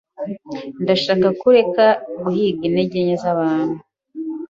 Ndashaka ko ureka guhiga intege nke zabantu.